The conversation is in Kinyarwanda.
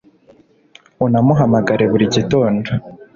unamuhamagare buri gitondo